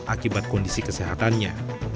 akibat kondisi kesehatannya